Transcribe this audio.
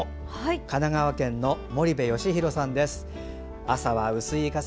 神奈川県の森部義裕さんです。